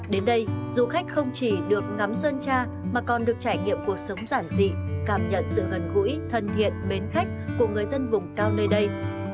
đến đây du khách không chỉ được ngắm sơn tra mà còn được trải nghiệm cuộc sống giản dị cảm nhận sự gần gũi thân thiện mến khách của người dân vùng cao nơi đây